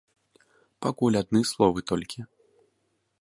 Пакуль адны словы толькі!